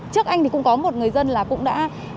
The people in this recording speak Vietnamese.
trước anh thì cũng có một người dân là cũng đã